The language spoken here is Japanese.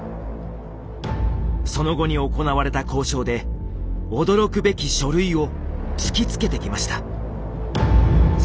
その後に行われた交渉で驚くべき書類を突きつけてきました。